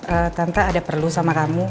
eee tante ada perlu sama kamu